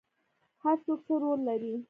هر څوک څه رول لري؟